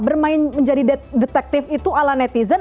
bermain menjadi detektif itu ala netizen